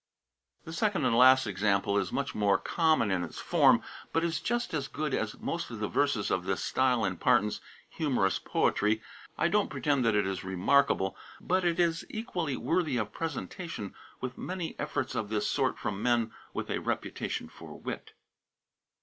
The second and last example is much more common in its form, but is just as good as most of the verses of this style in Parton's "Humorous Poetry." I don't pretend that it is remarkable, but it is equally worthy of presentation with many efforts of this sort from men with a reputation for wit.